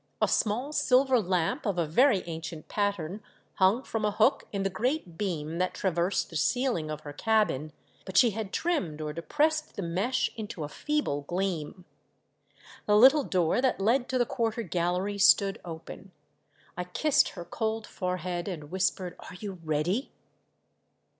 A small silver lamp of a very ancient pattern hung from a hook in the great beam that traversed the ceiling of her cabin, but she had trimmed or de pressed the mesh into a feeble gleam. The little door that led to the quarter gallery stood open. I kissed her cold forehead, and whispered, "Are you ready